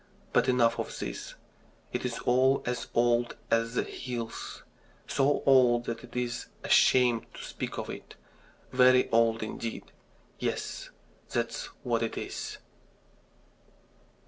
But enough of this. It is all as old as the hills so old that it is a shame to speak of it. Very old indeed yes, that's what it is!